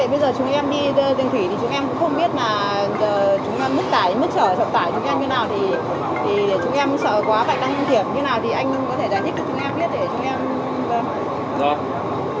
vậy bây giờ chúng em đi